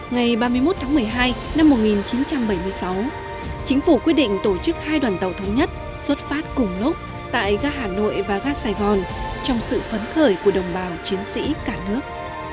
ngày ba mươi một tháng một mươi hai năm một nghìn chín trăm bảy mươi sáu chính phủ quyết định tổ chức hai đoàn tàu thống nhất xuất phát cùng lúc tại gác hà nội và ga sài gòn trong sự phấn khởi của đồng bào chiến sĩ cả nước